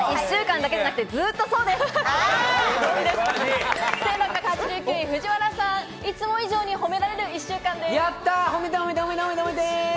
１週間だけじゃなくて、ずっとそうです。